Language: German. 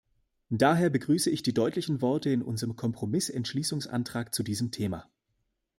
Daher begrüße ich die deutlichen Worte in unserem Kompromissentschließungsantrag zu diesem Thema.